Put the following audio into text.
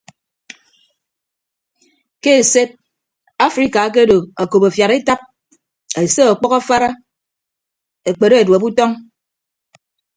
Ke esed afrika akedo okop afiad etap ese ọkpʌk afara ekpere edueb utọñ.